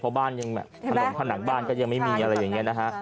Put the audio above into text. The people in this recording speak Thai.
เพราะถนนทางบ้านก็ยังไม่มีมาก